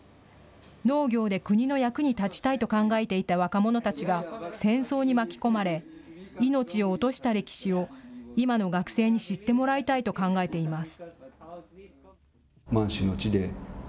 農業で国の役に立ちたいと考えていた若者たちが戦争に巻き込まれ命を落とした歴史を今の学生に知ってもらいたいと考えています。